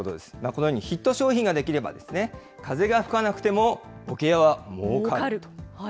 このようにヒット商品が出来れば、風が吹かなくてもおけ屋はもうかると。